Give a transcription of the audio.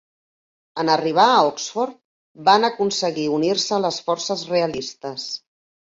En arribar a Oxford van aconseguir unir-se a les forces realistes.